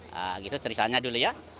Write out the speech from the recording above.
nah gitu ceritanya dulu ya